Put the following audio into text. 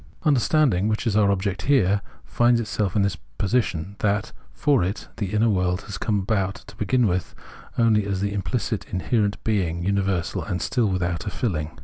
Understanding, which is our object here, finds itself in this position, that, for it, the inner world has come about, to begin with, only as the imphcit inherent being, universal and still without a filling.